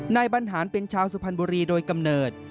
บรรหารเป็นชาวสุพรรณบุรีโดยกำเนิด